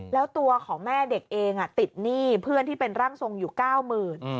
แล้วตัวของแม่เด็กเองติดหนี้เพื่อนที่เป็นร่างทรงอยู่๙๐๐บาท